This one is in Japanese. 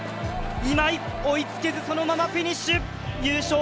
今井追いつけずそのままフィニッシュ優勝を逃しました